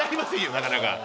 なかなか。